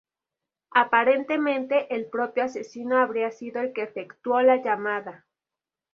Aparentemente, el propio asesino habría sido el que efectuó la llamada.